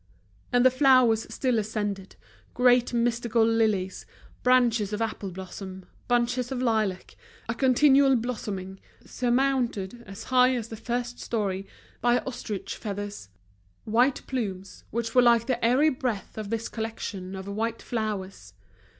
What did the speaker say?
And the flowers still ascended, great mystical lilies, branches of apple blossom, bunches of lilac, a continual blossoming, surmounted, as high as the first storey, by ostrich feathers, white plumes, which were like the airy breath of this collection of white flowers.